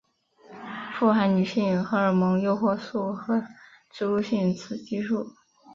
富含女性荷尔蒙诱导素和植物性雌激素。